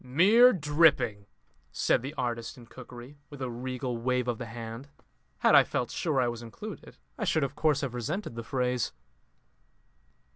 "Mere dripping!" said the artist in cookery, with a regal wave of the hand. Had I felt sure I was included, I should of course have resented the phrase.